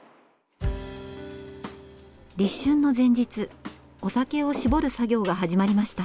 立春の前日お酒を搾る作業が始まりました。